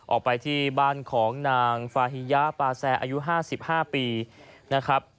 ออกไปที่บ้านของนางฟาฮิยะปาแซอายุ๕๕ปีนะครับ